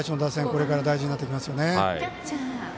これから大事になってきますよね。